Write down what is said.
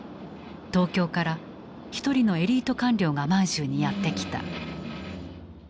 東京から一人のエリート官僚が満州にやって来た。